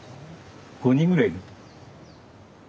５人ぐらい要る。